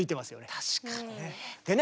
確かにね。